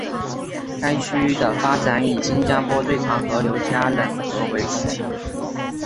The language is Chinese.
该区的发展以新加坡最长河流加冷河为中心。